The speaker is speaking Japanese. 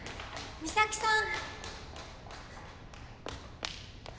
美咲さん